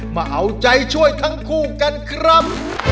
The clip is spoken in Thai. มาเอาใจช่วยทั้งคู่กันครับ